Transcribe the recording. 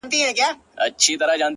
• زما له زړه څخه غمونه ولاړ سي؛